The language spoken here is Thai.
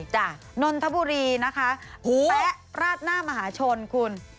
จ้ะน้นทบุรีนะคะแป๊ะราชนามหาชนคุณ